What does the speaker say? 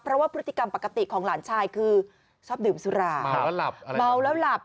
เพราะว่าพฤติกรรมปกติของหลานชายคือชอบดื่มสุราเมาแล้วหลับเมาแล้วหลับ